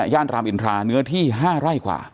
และย่านรามอินทราปุ่มเที่ยว๕ไรกว่า